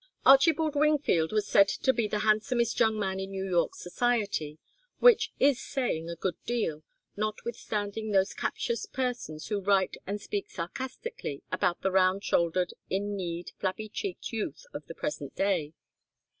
Archibald Wingfield was said to be the handsomest young man in New York society, which is saying a good deal, notwithstanding those captious persons who write and speak sarcastically about the round shouldered, in kneed, flabby cheeked youth of the present day.